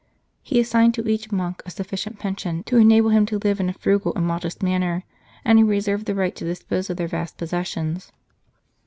He assigned to each monk 1 a sufficient pension to enable him to live in a frugal and modest manner, and he reserved the right to dispose of their vast possessions.